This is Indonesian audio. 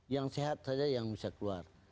yang sehat saja yang bisa keluar